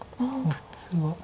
普通は。